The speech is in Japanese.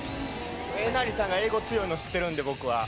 えなりさんが英語強いの知ってるんで僕は。